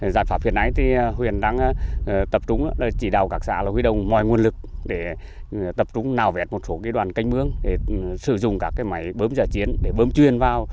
giải pháp hiện nay thì huyện đang tập trung chỉ đào các xã huy đông mọi nguồn lực để tập trung nào vẹt một số cái đoàn canh mướng để sử dụng các cái máy bơm dở chiến để bơm chuyên vào